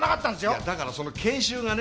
いやだからその研修がね。